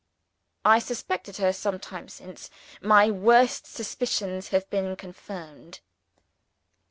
"I suspected her some time since. My worst suspicions have been confirmed.